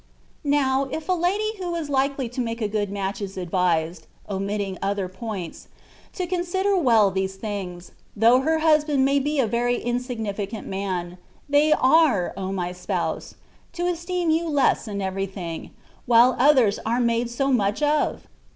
Now, if a lady who is likely to make a good match is advised (omitting other points) to consider well these things, though her husband may be a very insig nificant man, are they, O my Spouse ! to esteem You less in everything, while others are made so much of?